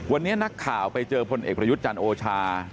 วันนี้นักข่าวไปเจอพลเอกประยุทธ์จันทร์โอชา